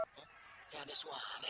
prong kaya ada suara hey